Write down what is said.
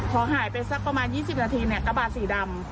พอหายไปสักประมาณ๒๐นาทีเนี่ยกระบาดสีดำ